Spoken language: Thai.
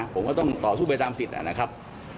ผมก็ต้องต่อสู้ไปตามสิทธิ์นะครับ